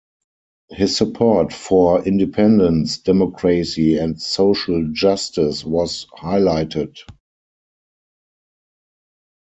His support "for independence, democracy and social justice" was highlighted.